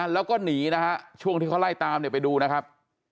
แล้วก็หนีช่วงที่เขาไล่ตามไปดูนะครับ